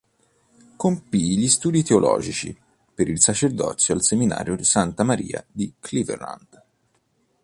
Compì gli studi teologici per il sacerdozio al seminario "Santa Maria" di Cleveland.